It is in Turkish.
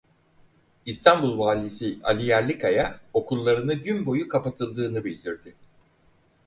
İstanbul Valisi Ali Yerlikaya okullarını gün boyu kapatıldığını bildirdi.